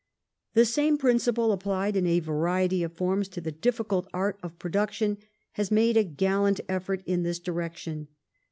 The same principle applied, in a variety of forms, to the difficult art of production has made a gallant effort in this direction.